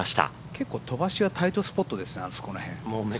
結構、飛ばしはタイトスポットでしたね。